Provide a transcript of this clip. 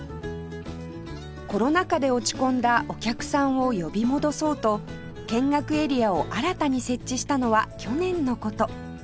コロナ禍で落ち込んだお客さんを呼び戻そうと見学エリアを新たに設置したのは去年の事